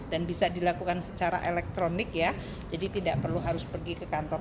bisa dilakukan secara elektronik ya jadi tidak perlu harus pergi ke kantor